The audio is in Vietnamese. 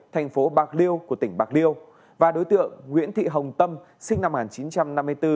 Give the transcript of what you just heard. thành phố bạc liêu của tỉnh bạc liêu và đối tượng nguyễn thị hồng tâm sinh năm một nghìn chín trăm năm mươi bốn